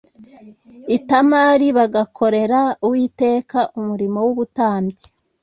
Itamari bagakorera Uwiteka umurimo w’ubutambyi